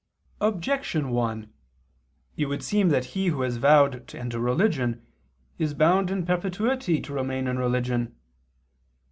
Objection 1: It would seem that he who has vowed to enter religion, is bound in perpetuity to remain in religion.